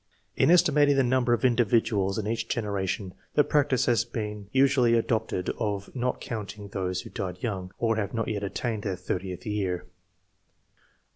In estimating the number of individuals in each generation, the practice has been usually adopted of not . counting those who died young, or have not yet attained their 30th year.